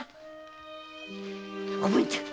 おぶんちゃん。